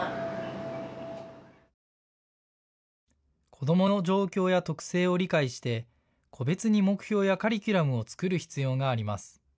子どもの状況や特性を理解して個別に目標やカリキュラムを作る必要があります。